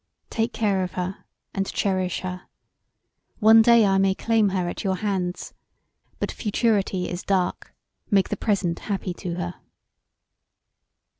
Take care of her and cherish her: one day I may claim her at your hands; but futurity is dark, make the present happy to her."